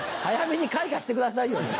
早めに開花してくださいよ